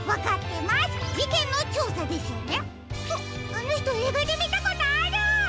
あのひとえいがでみたことある！